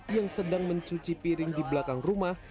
yang sedang mencuci piring di belakang rumah